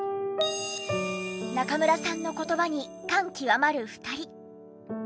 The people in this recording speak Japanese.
中村さんの言葉に感極まる２人。